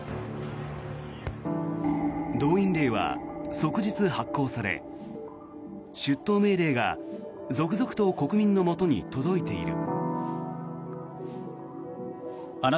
動員令は即日発効され出頭命令が続々と国民のもとに届いている。